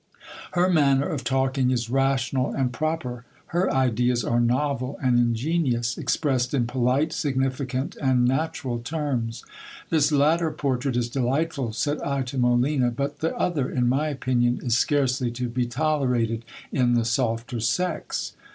Her manner of talking is rational and proper, her ideas are novel and ingenious, expressed in polite, significant, and natural terms. This latter portrait is delightful, said I to Molina ; but the other, in my opinion, is scarcely to be tolerated in the softer sex.